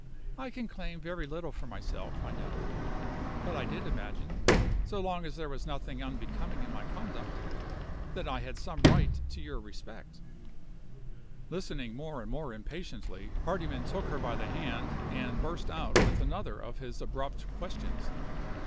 I can claim very little for myself, I know. But I did imagine so long as there was nothing unbecoming in my conduct that I had some right to your respect." Listening more and more impatiently, Hardyman took her by the hand, and burst out with another of his abrupt questions.